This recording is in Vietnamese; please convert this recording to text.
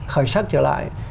khởi sắc trở lại